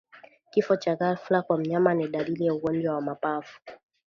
Kifo cha ghafla kwa mnyama ni dalili ya ugonjwa wa mapafu